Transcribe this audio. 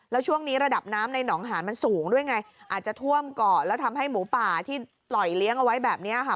แล้วช่วงนี้ระดับน้ำในหนองหานมันสูงด้วยไงอาจจะท่วมก่อนแล้วทำให้หมูป่าที่ปล่อยเลี้ยงเอาไว้แบบนี้ค่ะ